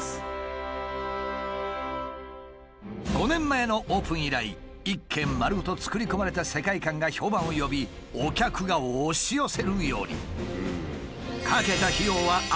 ５年前のオープン以来一軒丸ごと作り込まれた世界観が評判を呼びお客が押し寄せるように。